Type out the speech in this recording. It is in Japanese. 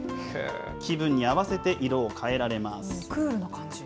気分に合わせて色を変えられます。